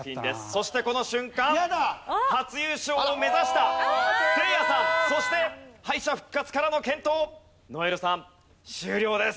そしてこの瞬間初優勝を目指したせいやさんそして敗者復活からの健闘如恵留さん終了です。